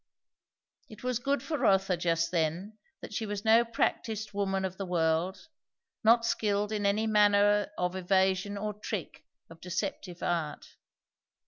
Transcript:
It was good for Rotha just then that she was no practised woman of the world, not skilled in any manner of evasion or trick of deceptive art.